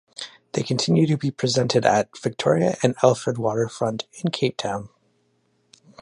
They continue to be presented at Victoria and Alfred waterfront in Cape Town.